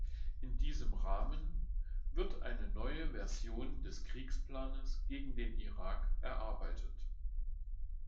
In diesem Rahmen wird eine neue Version des Kriegsplanes gegen den Irak erarbeitet.